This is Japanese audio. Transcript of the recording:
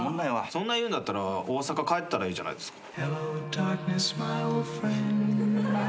そんな言うんだったら大阪帰ったらいいじゃないですか。